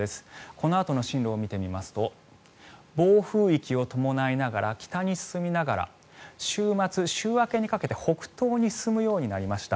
このあとの進路を見てみますと暴風域を伴いながら北に進みながら週末、週明けにかけて北東に進むようになりました。